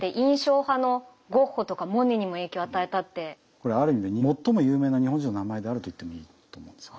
これある意味で最も有名な日本人の名前であると言ってもいいと思うんですよ。